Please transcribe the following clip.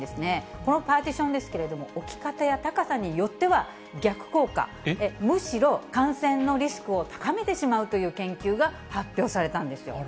このパーティションなんですけれども、置き方や高さによっては、逆効果、むしろ感染のリスクを高めてしまうという研究が発表されたんですよ。